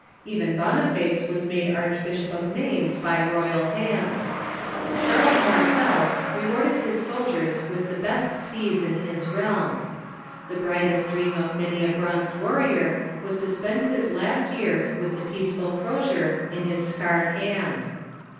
Even Boniface was made Archbishop of Mainz by ro}'al hands. Charles Martel rewarded his soldiers with the best sees in his realm. The brightest dream of many a bronzed warrior was to spend his last years with the i:)eace ful crosier in his scarred hand.